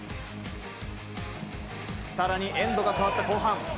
更に、エンドが変わった後半。